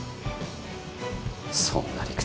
そんな理屈。